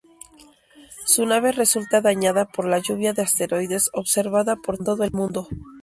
Su nave resulta dañada por la lluvia de asteroides observada por todo el mundo.